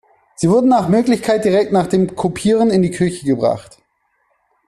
Sie wurden nach Möglichkeit direkt nach dem Kupieren in die Küche gebracht.